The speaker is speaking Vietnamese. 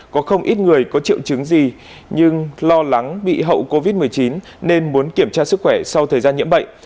có không ít người có triệu chứng gì nhưng lo lắng bị hậu covid một mươi chín nên muốn kiểm tra sức khỏe sau thời gian nhiễm bệnh